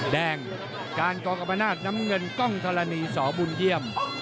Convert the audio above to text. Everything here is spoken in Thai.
แดงการกองกรรมนาศน้ำเงินกล้องธรณีสบุญเยี่ยม